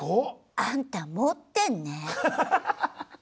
あんた持ってんねマジで。